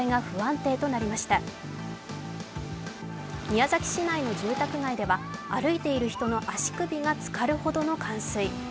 宮崎市内の住宅街では歩いている人の足首がつかるほどの冠水。